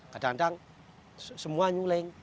kadang kadang semua nyuling